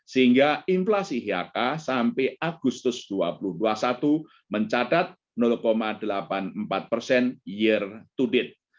sehingga inflasi hk sampai agustus dua ribu dua puluh satu mencatat delapan puluh empat persen year to date